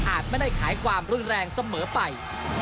อาจไม่ได้ขายความเรื่องแรงเสมอไป